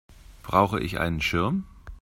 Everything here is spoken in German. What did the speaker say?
Brauche ich einen Schirm?